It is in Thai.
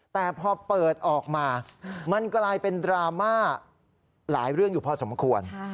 แต่พอเปิดออกมามันกลายเป็นดราม่าหลายเรื่องอยู่พอสมควร